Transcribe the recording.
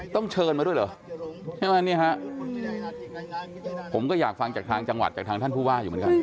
ต้องเชิญมาด้วยเหรอใช่ไหมนี่ฮะผมก็อยากฟังจากทางจังหวัดจากทางท่านผู้ว่าอยู่เหมือนกัน